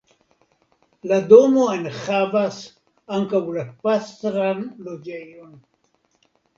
La domo enhavas ankaŭ la pastran loĝejon.